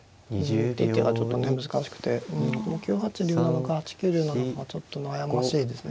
一手一手がちょっとね難しくてこの９八竜なのか８九竜なのかがちょっと悩ましいですね。